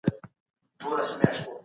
هغه خلګ چي انصاف کوي د خدای استازي دي.